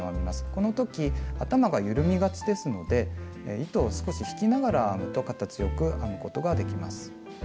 この時頭が緩みがちですので糸を少し引きながら編むと形よく編むことができます。